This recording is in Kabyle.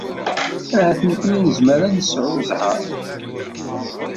Ahat nekkni nezmer ad nesɛu zzheṛ.